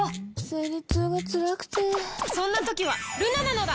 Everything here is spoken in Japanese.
生理痛がつらくてそんな時はルナなのだ！